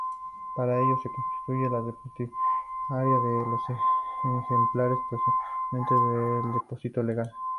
Para ello se constituye en depositaria de los ejemplares procedentes del depósito legal.